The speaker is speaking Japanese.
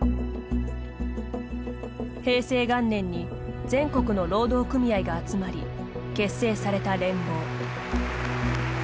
平成元年に全国の労働組合が集まり結成された連合。